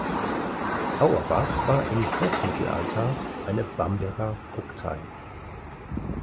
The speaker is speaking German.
Auerbach war im Hochmittelalter eine Bamberger Vogtei.